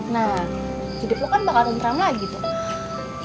nah jadi lo kan bakal tentang lagi tuh